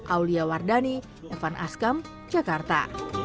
aulia wardani evan askam jakarta